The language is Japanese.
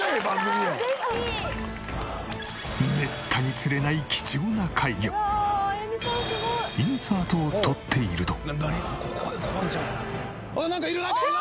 めったに釣れないインサートを撮っていると。